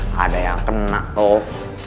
nggak ada yang kena tuh